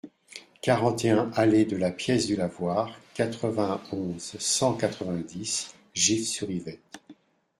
quarante et un allée de la Pièce du Lavoir, quatre-vingt-onze, cent quatre-vingt-dix, Gif-sur-Yvette